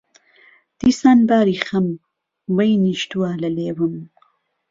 دیسان باری خهم، وهی نیشتووه له لێوم